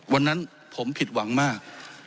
วันนั้นผมผิดหวังมาก